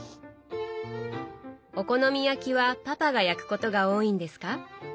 お好み焼きはパパが焼くことが多いんですか？